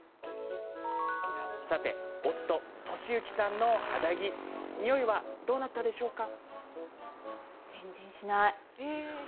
さて、夫、俊行さんの肌着ニオイはどうなったでしょうか。